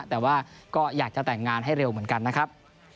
แต่ว่าก็อยากจะแต่งงานให้เร็วเหมือนกันนะครับ